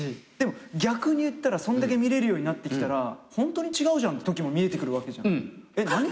でも逆に言ったらそんだけ見れるようになってきたらホントに違うじゃんってときも見えてくるわけじゃん。